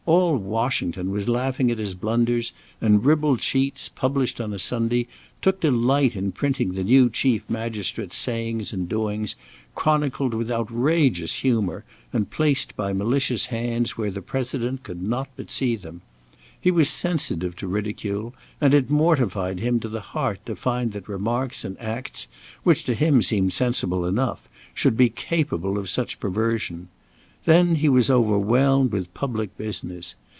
All Washington was laughing at his blunders, and ribald sheets, published on a Sunday, took delight in printing the new Chief Magistrate's sayings and doings, chronicled with outrageous humour, and placed by malicious hands where the President could not but see them. He was sensitive to ridicule, and it mortified him to the heart to find that remarks and acts, which to him seemed sensible enough, should be capable of such perversion. Then he was overwhelmed with public business.